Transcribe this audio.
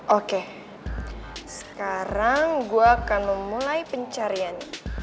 oke sekarang gue akan memulai pencarian